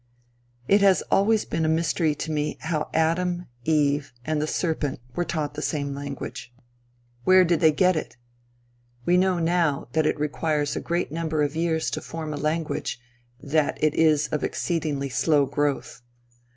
It has always been a mystery to me how Adam, Eve, and the serpent were taught the same language. Where did they get it? We know now, that it requires a great number of years to form a language; that it is of exceedingly slow growth.